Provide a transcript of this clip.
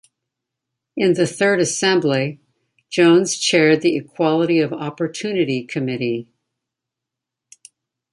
In the third Assembly, Jones chaired the Equality of Opportunity Committee.